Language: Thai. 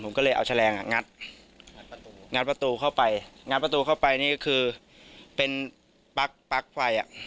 ผมก็เลยเอาแฉลงอ่ะงัดประตูงัดประตูเข้าไปงัดประตูเข้าไปนี่ก็คือเป็นปั๊กปลั๊กไฟอ่ะ